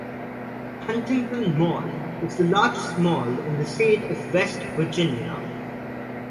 Huntington Mall is the largest mall in the state of West Virginia.